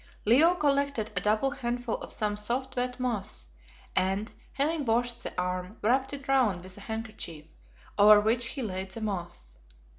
Leo collected a double handful of some soft wet moss and, having washed the arm, wrapped it round with a handkerchief, over which he laid the moss.